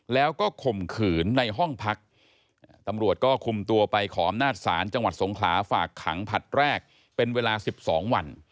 แล้วก็ข่มขืนในห้องพักตำรวจก็คุมตัวไปขออำนาจศาลจังหวัดสงขลาฝากขังผลัดแรกเป็นเวลา๑๒วัน